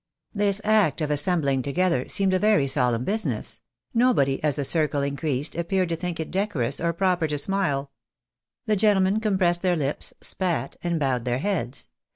This act of assembUng together seemed a very solemn business ; nobody, as the circle increased, appeared to think it decorous or proper to smile. The gentlemen compressed their lips, spat and bowed their heads.